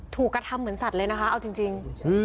กระทำเหมือนสัตว์เลยนะคะเอาจริง